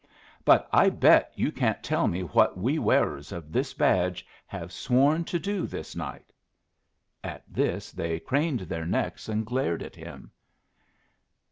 But I bet you can't tell me what we wearers of this badge have sworn to do this night." At this they craned their necks and glared at him.